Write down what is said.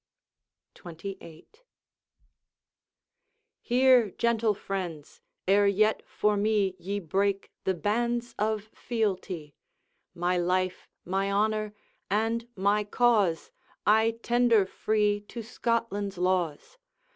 XXVIII, 'Hear, gentle friends, ere yet for me Ye break the bands of fealty. My life, my honour, and my cause, I tender free to Scotland's laws.